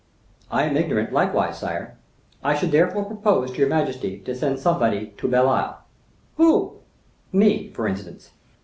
"I am ignorant, likewise, sire; I should therefore propose to your majesty to send somebody to Belle Isle?" "Who?" "Me, for instance."